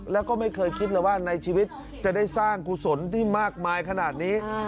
แล้วก็ไม่เคยคิดเลยว่าในชีวิตจะได้สร้างกุศลที่มากมายขนาดนี้